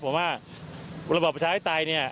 ผมว่าระบบประชาชนให้ตายเนี่ย